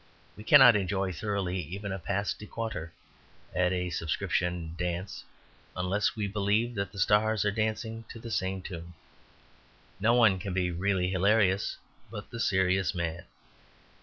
We cannot enjoy thoroughly even a pas de quatre at a subscription dance unless we believe that the stars are dancing to the same tune. No one can be really hilarious but the serious man.